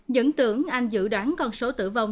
nhận tưởng anh dự đoán con số tổn thương